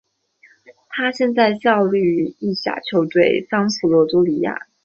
他现在效力于意甲球队桑普多利亚。